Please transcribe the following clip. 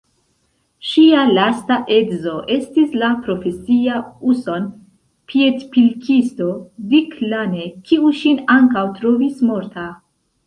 Ŝia lasta edzo estis la profesia uson-piedpilkisto Dick Lane, kiu ŝin ankaŭ trovis morta.